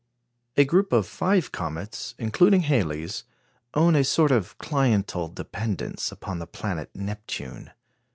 A group of five comets, including Halley's, own a sort of cliental dependence upon the planet Neptune.